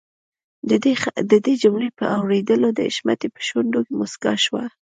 د دې جملې په اورېدلو د حشمتي په شونډو مسکا شوه.